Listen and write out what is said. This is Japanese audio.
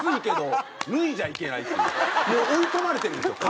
もう追い込まれてるんですよ